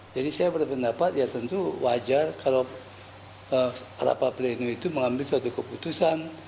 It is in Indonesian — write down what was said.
jadi saya berpendapat ya tentu wajar kalau rapat pleno itu mengambil suatu keputusan